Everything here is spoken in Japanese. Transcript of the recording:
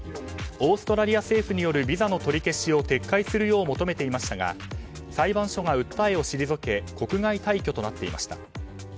オーストラリア政府によるビザの取り消しを撤回するよう求めていましたが裁判所が訴えを退け国外退去となっていました。